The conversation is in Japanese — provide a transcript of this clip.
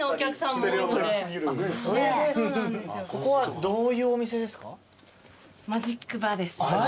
ここはどういうお店ですか？